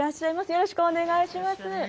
よろしくお願いします。